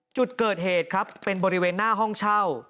จุดเกิดเหตุครับเป็นบริเวณหน้าห้องเช่า